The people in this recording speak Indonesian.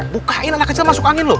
bukain anak kecil masuk angin loh